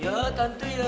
yaudah yuk yuk